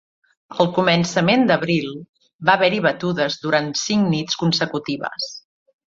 Al començament d'abril, va haver-hi batudes durant cinc nits consecutives.